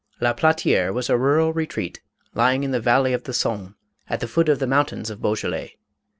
La Platiere was a rural retreat ly ing in the valley of the Saone, at the foot of the moun tains of Beaujolais.